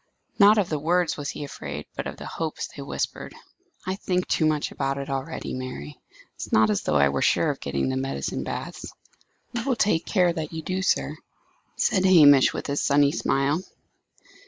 Not of the words was he afraid, but of the hopes they whispered. "I think too much about it, already, Mary. It is not as though I were sure of getting to the medicinal baths." "We will take care that you do that, sir," said Hamish, with his sunny smile.